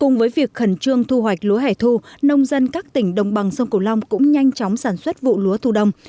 cùng với việc khẩn trương thu hoạch lúa hẻ thu nông dân các tỉnh đồng bằng sông cửu long cũng nhanh chóng sản xuất vụ lúa thu đông